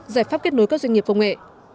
giải pháp kết nối các doanh nghiệp công nghệ